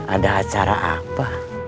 ada acara apa